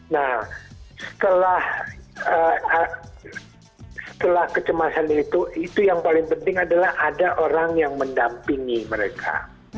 nah setelah kecemasan itu itu yang paling penting adalah ada orang yang mendampingi mereka